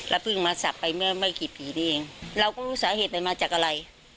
เพิ่งมาสักไปเมื่อไม่กี่ปีนี้เองเราก็รู้สาเหตุมันมาจากอะไร